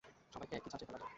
সবাইকে একই চাঁচে ফেলা যায়।